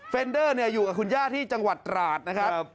เดอร์อยู่กับคุณย่าที่จังหวัดตราดนะครับ